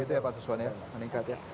iya iya pak suswan ya meningkat ya